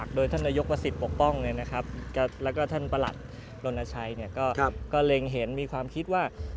ก็เข้าทางนี้ก็พบไว้